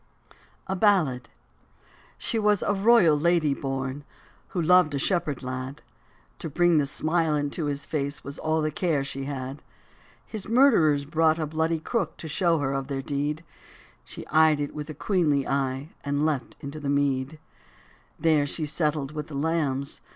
A BALLAD. SHE was a royal lady born. Who loved a shepherd lad ; To bring the smile into his face Was all the care she had. His murderers brought a bloody crook To show her of their deed : She eyed it with a queenly eye ; And leapt into the mead. And there she settled with the lambs.